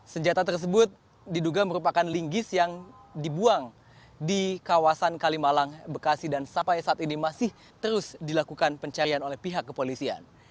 senjata tersebut diduga merupakan linggis yang dibuang di kawasan kalimalang bekasi dan sampai saat ini masih terus dilakukan pencarian oleh pihak kepolisian